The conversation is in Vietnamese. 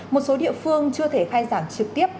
một số địa phương chưa thể khai giảng trực tiếp